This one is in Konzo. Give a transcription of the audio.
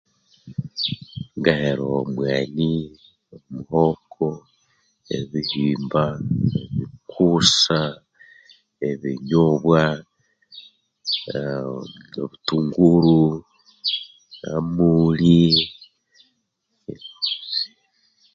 Ngehera omwani omuhoko ebihimba ebikusa ebinyobwa eh obutunguru namooli eh